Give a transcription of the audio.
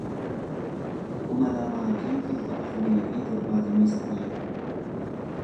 kuma lamaa fi dhibba afurii fi torbaatamii sadii